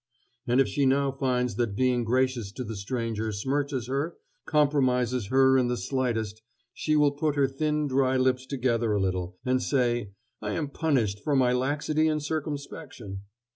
And if she now finds that being gracious to the stranger smirches her, compromises her in the slightest, she will put her thin dry lips together a little, and say "I am punished for my laxity in circumspection."